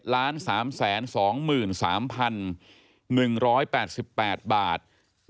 ๗ล้าน๓แสน๒๓๑๘๘บาท